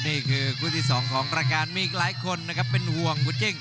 นี่คือคู่ที่สองของราการมีอีกหลายคนเป็นห่วง